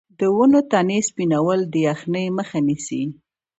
د ونو تنې سپینول د یخنۍ مخه نیسي؟